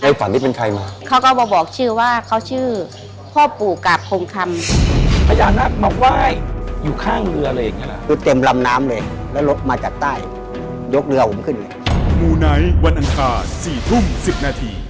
วันนั้นค่ะ๔ทุ่ม๑๐นาที